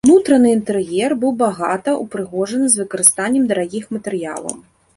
Унутраны інтэр'ер быў багата ўпрыгожаны з выкарыстаннем дарагіх матэрыялаў.